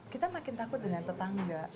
kita makin takut dengan tetangga